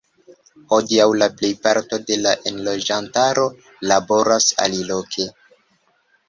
Hodiaŭ la plejparto de la enloĝantaro laboras aliloke.